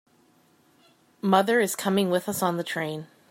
Mother is coming with us on the train.